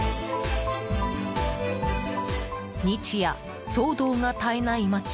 日夜、騒動が絶えない街